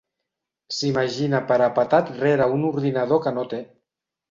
S'imagina parapetat rere un ordinador que no té.